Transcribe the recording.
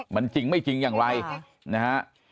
มันจริงไม่จริงอย่างไรนะฮะ